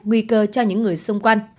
nguy cơ cho những người xung quanh